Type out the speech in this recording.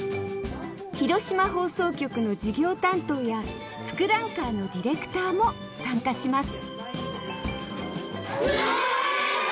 広島放送局の事業担当や「ツクランカー」のディレクターも参加しますお！